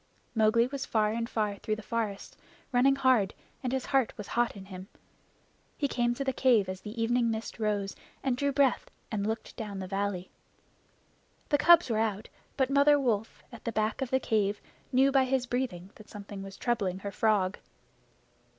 Mowgli was far and far through the forest, running hard, and his heart was hot in him. He came to the cave as the evening mist rose, and drew breath, and looked down the valley. The cubs were out, but Mother Wolf, at the back of the cave, knew by his breathing that something was troubling her frog.